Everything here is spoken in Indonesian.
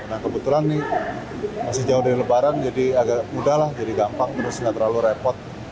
nah kebetulan nih masih jauh dari lebaran jadi agak mudah lah jadi gampang terus nggak terlalu repot